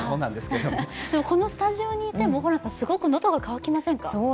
このスタジオにいてもすごく喉が渇きませんか？